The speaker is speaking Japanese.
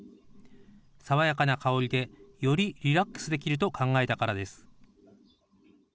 爽やかな香りで、よりリラックスできると考えたからです。